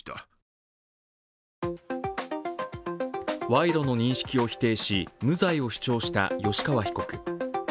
賄賂の認識を否定し無罪を主張した吉川被告。